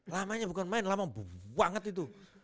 lamanya bukan main lama banget itu